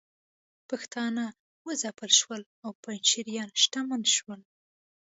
پښتانه وځپل شول او پنجشیریان شتمن شول